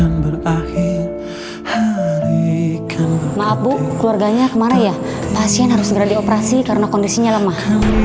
maaf bu keluarganya kemana ya pasien harus segera dioperasi karena kondisinya lemah